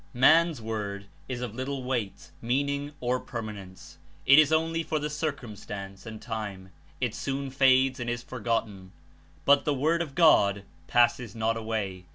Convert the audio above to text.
Man's word Is of little weight, meaning or permanence; It Is only for the circum stance and time; It soon fades and is forgotten, but the Word of God passes not away.